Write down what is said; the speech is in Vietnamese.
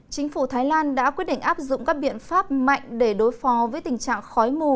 chính phủ thái lan đã quyết định áp dụng các biện pháp mạnh để đối phó với tình trạng khói mù